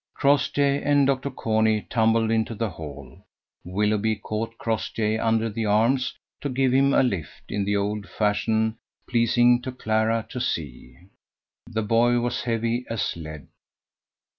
Crossjay and Dr. Corney tumbled into the hall. Willoughby caught Crossjay under the arms to give him a lift in the old fashion pleasing to Clara to see. The boy was heavy as lead.